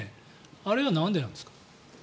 あれはなんでなんですか。